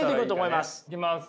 いきます。